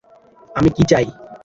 আমি কী চাই?